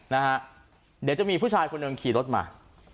เดี๋ยวจะมีผู้ชายคนหนึ่งขี่รถมา